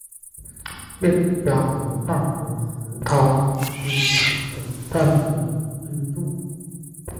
渐江和尚和石涛都曾在此居住。